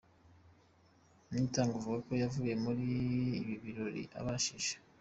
Niyitanga avuga ko yavuye muri Ibibirori Abashije.